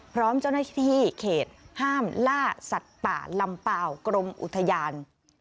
พร้อมเจ้าหน้าที่เขตห้ามล่าสัตว์ป่าลำเปล่ากรมอุทยาน